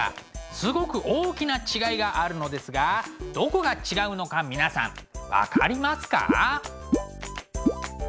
すごく大きな違いがあるのですがどこが違うのか皆さん分かりますか？